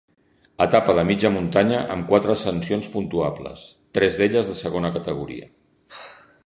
Etapa de mitja muntanya amb quatre ascensions puntuables, tres d'elles de segona categoria.